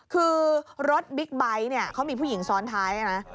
คือรถบิ๊กไบท์เนี่ยเขามีผู้หญิงซ้อนท้ายนะ